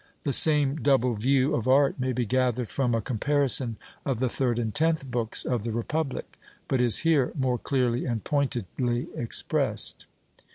The same double view of art may be gathered from a comparison of the third and tenth books of the Republic, but is here more clearly and pointedly expressed.